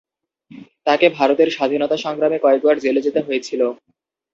তাকে ভারতের স্বাধীনতা সংগ্রামে কয়েকবার জেলে যেতে হয়েছিল।